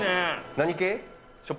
何系？